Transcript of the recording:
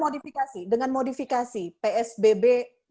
dengan modifikasi psbb